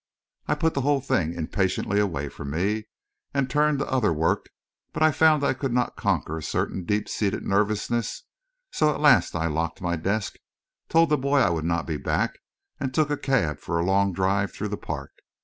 I put the whole thing impatiently away from me, and turned to other work; but I found I could not conquer a certain deep seated nervousness; so at last I locked my desk, told the boy I would not be back, and took a cab for a long drive through the park.